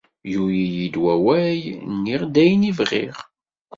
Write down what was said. Yuli-yi-d wawal, nniɣ-d ayen i bɣiɣ.